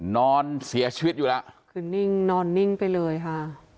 นอนเสียชีวิตอยู่แล้วคือนิ่งนอนนิ่งไปเลยค่ะ